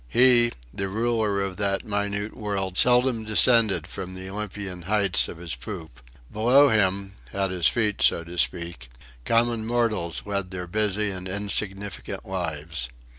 He, the ruler of that minute world, seldom descended from the Olympian heights of his poop. Below him at his feet, so to speak common mortals led their busy and insignificant lives.